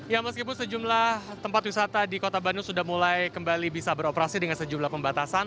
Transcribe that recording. ya meskipun sejumlah tempat wisata di kota bandung sudah mulai kembali bisa beroperasi dengan sejumlah pembatasan